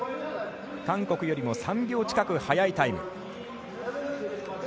韓国よりも３秒近く速いタイム。